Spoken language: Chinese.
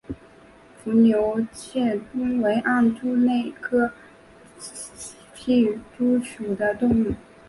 伏牛山隙蛛为暗蛛科隙蛛属的动物。